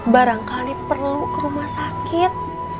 barangkali perlu ke rumah sakit